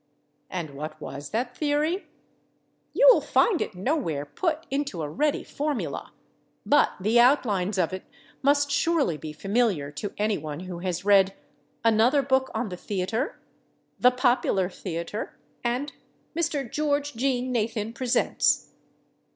And what was that theory? You will find it nowhere put into a ready formula, but the outlines of it must surely be familiar to any one who has read "Another Book on the Theater," "The Popular Theater" and "Mr. George Jean Nathan Presents."